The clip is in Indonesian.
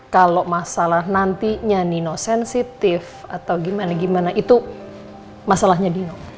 kalau masalah nantinya nino sensitif atau gimana gimana itu masalahnya bingung